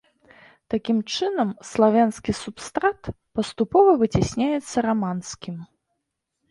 Такім чынам, славянскі субстрат паступова выцясняецца раманскім.